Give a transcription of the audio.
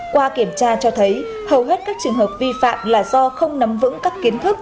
qua kiểm tra cho thấy hầu hết các trường hợp vi phạm là do không nắm vững các kiến thức